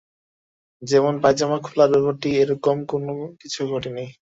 যেমন পায়জামা খোলার ব্যাপারটি-এ রকম কোনো কিছু ঘটে নি।